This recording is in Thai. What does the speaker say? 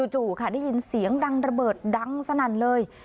จู่ค่ะได้ยินเสียงดังระเบิดดังสนั่นเลย